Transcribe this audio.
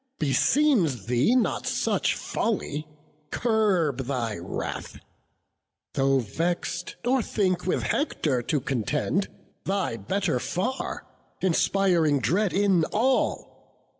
Beseems thee not such folly; curb thy wrath, Though vex'd; nor think with Hector to contend, Thy better far, inspiring dread in all.